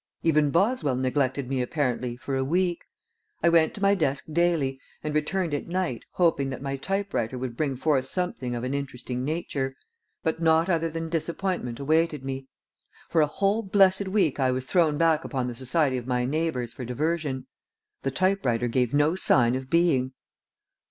Even Boswell neglected me apparently for a week. I went to my desk daily and returned at night hoping that my type writer would bring forth something of an interesting nature, but naught other than disappointment awaited me. For a whole blessed week I was thrown back upon the society of my neighbors for diversion. The type writer gave no sign of being.